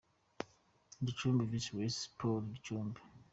Gicumbi vs Rayon Sports - Gicumbi.